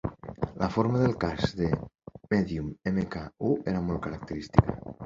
La forma del casc del Medium Mk I era molt característica.